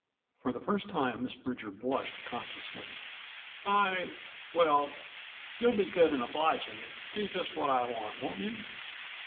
For the first time Miss Bridger blushed consciously. "I well, you'll be good and obliging and do just what I want, won't you?"